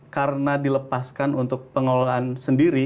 karena dilepaskan untuk pengelolaan sendiri